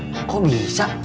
wah kok bisa